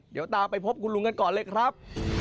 เดี๋ยวตามไปพบคุณลุงกันก่อนเลยครับ